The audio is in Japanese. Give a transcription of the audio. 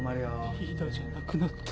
リーダーじゃなくなった。